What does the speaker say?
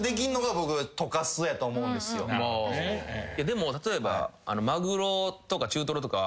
でも例えばマグロとか中トロとか。